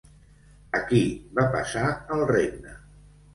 A qui va passar el regne?